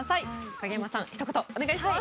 影山さん、ひと言お願いします。